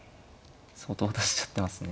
相当渡しちゃってますね。